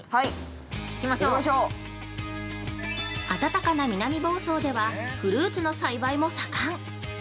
暖かな南房総ではフルーツの栽培も盛ん！